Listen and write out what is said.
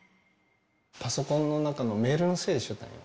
パソコンの中のメールの整理をしとったんよ。